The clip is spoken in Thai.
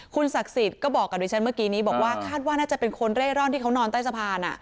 คุณศักดิ์สิทธิ์ก็บอกกับดิฉันเมื่อกี้นี้บอกว่าคาดว่าน่าจะเป็นคนเร่ร่อนที่เขานอนใต้สะพาน